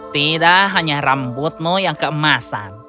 tidak hanya rambutmu yang keemasan